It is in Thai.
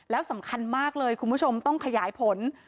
แล้วสำคัญมากเลยคุณผู้ชมต้องขยายผล